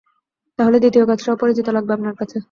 তাহলে, দ্বিতীয় কাগজটাও পরিচিত লাগবে আপনার কাছে।